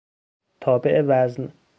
تابع وزن